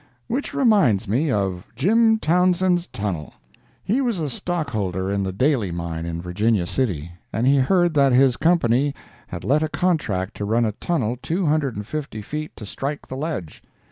Which reminds me of JIM TOWNSEND'S TUNNEL He was a stockholder in the "Daly" mine, in Virginia City, and he heard that his Company had let a contract to run a tunnel two hundred and fifty feet to strike the ledge.